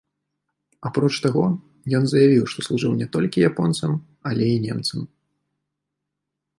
Апроч таго, ён заявіў, што служыў не толькі японцам, але і немцам.